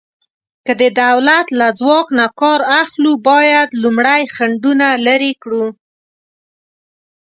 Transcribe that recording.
که د دولت له ځواک نه کار اخلو، باید لومړی خنډونه لرې کړو.